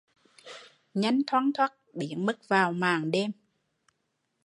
Nhanh thoăn thoắt biến mất vào màn đêm